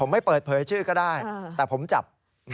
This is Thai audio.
ไม่เปิดเผยชื่อก็ได้แต่ผมจับ